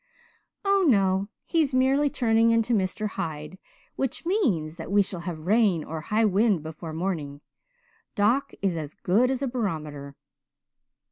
"Oh, no. He's merely turning into Mr. Hyde which means that we shall have rain or high wind before morning. Doc is as good as a barometer."